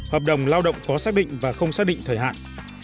hợp đồng lao động có xác định và không xác định thời hạn